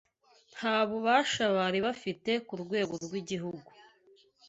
Nta bubasha bari bafite ku rwego rwigihugu.